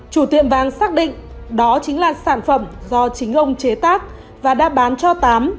chủ tiệm vàng xác định đó chính là sản phẩm do chính ông chế tác và đã bán cho tám